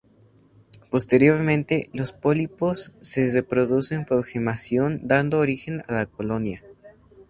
Posteriormente, los pólipos se reproducen por gemación, dando origen a la colonia.